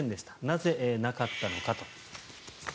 なぜなかったのかと。